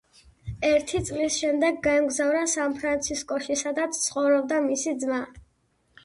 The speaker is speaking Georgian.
ერთი წლის შემდეგ გაემგზავრა სან-ფრანცისკოში, სადაც ცხოვრობდა მისი ძმა.